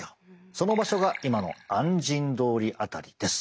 その場所が今の按針通り辺りです。